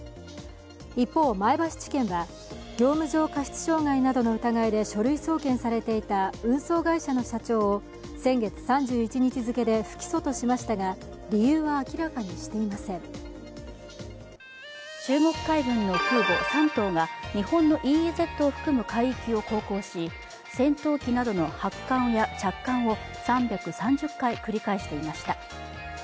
一方、前橋地検は、業務上過失傷害などの疑いで書類送検していた運送会社の社長を先月３１日付で不起訴としましたが中国海軍の空母「山東」が日本のＥＥＺを含む海域を走行し、戦闘機などの発艦や着艦を３３０回繰り返していました。